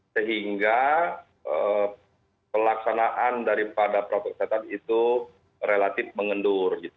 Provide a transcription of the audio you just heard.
sehingga pelaksanaan daripada protokol kesehatan itu relatif mengendur